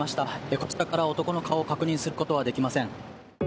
こちらから男の顔を確認することはできません。